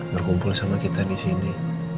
berkumpul sama kita di sini